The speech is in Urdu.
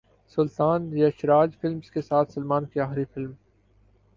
سلطان یش راج فلمز کے ساتھ سلمان کی اخری فلم